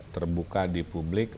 terbuka di publik